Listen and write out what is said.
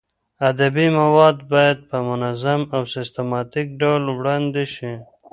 ادبي مواد باید په منظم او سیستماتیک ډول وړاندې شي.